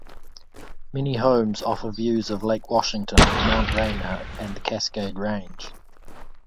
Many homes offer views of Lake Washington, Mount Rainier, and the Cascade Range.